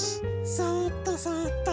そっとそっと。